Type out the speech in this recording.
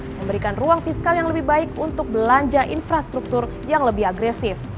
memberikan ruang fiskal yang lebih baik untuk belanja infrastruktur yang lebih agresif